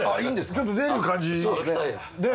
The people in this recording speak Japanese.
ちょっと出る感じ？